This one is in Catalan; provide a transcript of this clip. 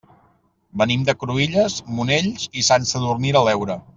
Venim de Cruïlles, Monells i Sant Sadurní de l'Heura.